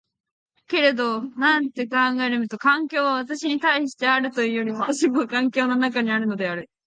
けれど翻って考えてみると、環境は私に対してあるというよりも私が環境の中にあるのである。